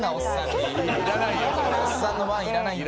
おっさんのワンいらないんだよ。